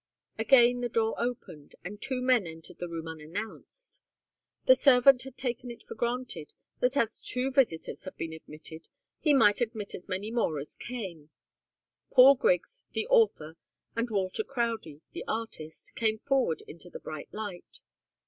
Again the door opened, and two men entered the room unannounced. The servant had taken it for granted that as two visitors had been admitted, he might admit as many more as came. Paul Griggs, the author, and Walter Crowdie, the artist, came forward into the bright light.